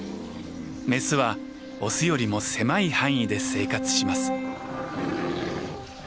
メスはオスよりも狭い範囲で生活します。